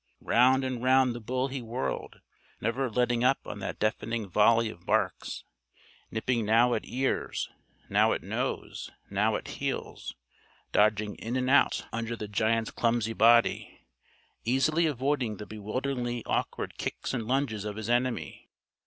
Round and round the bull he whirled, never letting up on that deafening volley of barks; nipping now at ears, now at nose, now at heels; dodging in and out under the giant's clumsy body; easily avoiding the bewilderingly awkward kicks and lunges of his enemy.